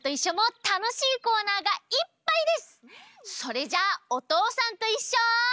それじゃあ「おとうさんといっしょ」。